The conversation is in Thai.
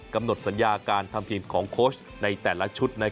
กำหนดสัญญาการทำทีมของโค้ชในแต่ละชุด